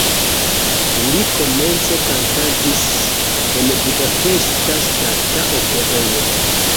Li komence kantadis en Budapeŝta Ŝtata Operejo.